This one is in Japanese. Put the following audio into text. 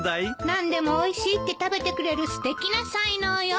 何でもおいしいって食べてくれるすてきな才能よ。